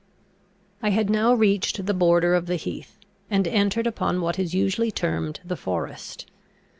I had now reached the border of the heath, and entered upon what is usually termed the forest.